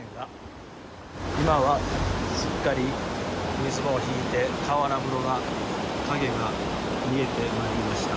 今はすっかり水も引いて河原風呂の影が見えてまいりました。